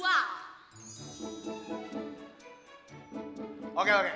kalau enggak chose kita something